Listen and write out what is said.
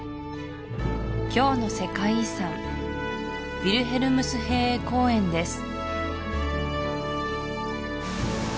今日の世界遺産ヴィルヘルムスヘーエ公園です